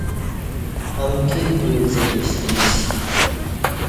امکی دیو وڅہ کشتی اسی